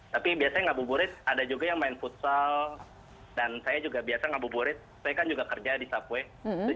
tapi biasanya ngabuburit ada juga yang main futsal dan saya juga biasa ngabuburit saya kan juga kerja di subway